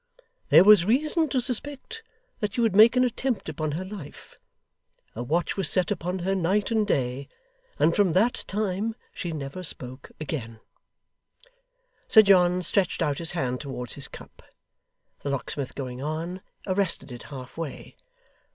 There was reason to suspect that she would make an attempt upon her life. A watch was set upon her night and day; and from that time she never spoke again ' Sir John stretched out his hand towards his cup. The locksmith going on, arrested it half way.